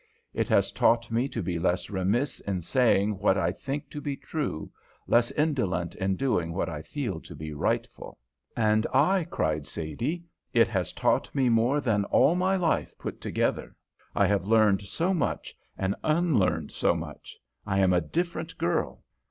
It has taught me to be less remiss in saying what I think to be true, less indolent in doing what I feel to be rightful." "And I," cried Sadie. "It has taught me more than all my life put together. I have learned so much and unlearned so much. I am a different girl."